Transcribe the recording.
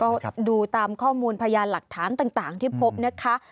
ก็ดูตามข้อมูลพยานหลักฐานต่างที่พบนะคะ